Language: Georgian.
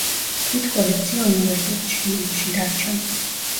თვით კოლექცია უნივერსიტეტის შენობაში დარჩა.